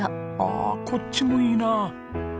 あこっちもいいなあ。